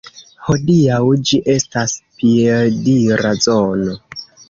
Hodiaŭ ĝi estas piedira zono.